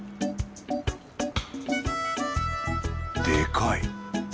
でかい。